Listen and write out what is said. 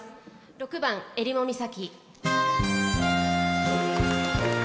６番「襟裳岬」。